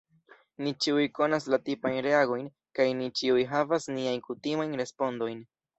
Ni ĉiuj konas la tipajn reagojn, kaj ni ĉiuj havas niajn kutimajn respondojn.